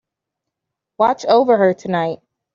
Watch over her tonight.